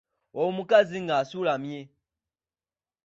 Omukazi ng'asuulamye.